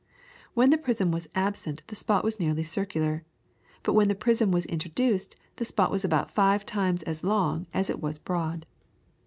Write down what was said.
When the prism was absent the spot was nearly circular, but when the prism was introduced the spot was about five times as long as it was broad.